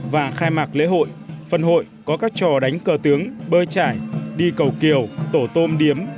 và khai mạc lễ hội phần hội có các trò đánh cờ tướng bơi trải đi cầu kiều tổ tôm điếm